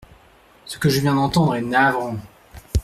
Ce que je viens d’entendre est navrant.